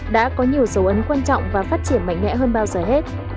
đã có nhiều dấu ấn quan trọng và phát triển mạnh mẽ hơn bao giờ hết